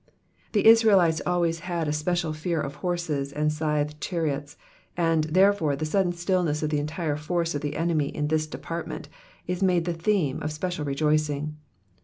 The Israelites always had a special fear of horses and scythed chariots ; and, therefore, the sudden stillness of the entire force of the enemy in this department is made the theme of special rejoicing.